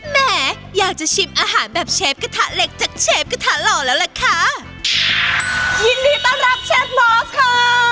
แหมอยากจะชิมอาหารแบบเชฟกระทะเหล็กจากเชฟกระทะหล่อแล้วล่ะคะ